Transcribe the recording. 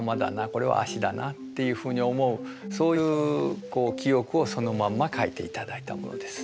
これは足だな」っていうふうに思うそういう記憶をそのまんま描いていただいたものです。